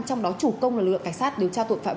trong đó chủ công là lượng cảnh sát điều tra tội phạm